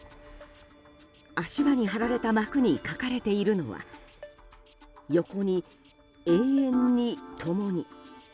足場に張られた幕に書かれているのは横に「永遠にともに」。